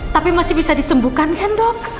tapi masih bisa disembuhkan kan dok